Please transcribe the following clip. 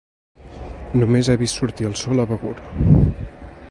Només ha vist sortir el sol a Begur.